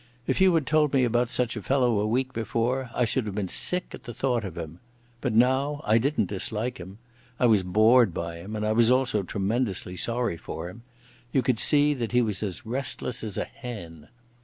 If you had told me about such a fellow a week before I should have been sick at the thought of him. But now I didn't dislike him. I was bored by him and I was also tremendously sorry for him. You could see he was as restless as a hen.